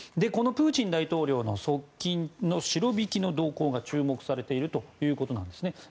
このプーチン大統領の側近のシロビキの動向が注目されているということなんですね。